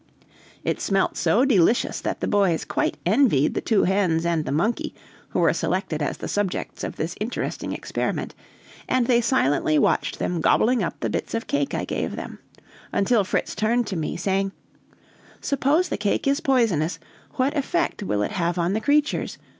It smelt so delicious that the boys quite envied the two hens and the monkey, who were selected as the subjects of this interesting experiment, and they silently watched them gobbling up the bits of cake I gave them, until Fritz turned to me, saying, "Suppose the cake is poisonous, what effect will it have on the creatures?